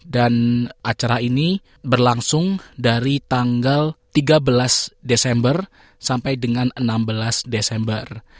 dan acara ini berlangsung dari tanggal tiga belas desember sampai dengan enam belas desember